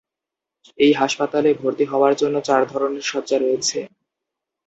এই হাসপাতালে ভর্তি হওয়ার জন্য চার ধরনের শয্যা রয়েছে।